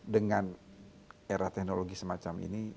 dengan era teknologi semacam ini